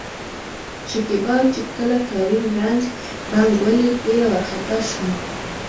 شکيبا چې کله کريم ړنګ، بنګ ولېد ډېره ورخطا شوه.